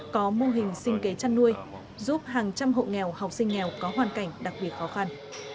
có mô hình sinh kế chăn nuôi giúp hàng trăm hộ nghèo học sinh nghèo có hoàn cảnh đặc biệt khó khăn